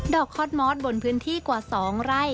ดอกคอดม็อตบนพื้นที่กว่าสองไร่